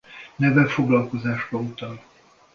Neve foglalkozásra utal.